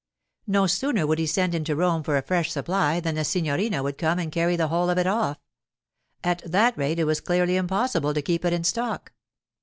No sooner would he send into Rome for a fresh supply than the signorina would come and carry the whole of it off. At that rate, it was clearly impossible to keep it in stock.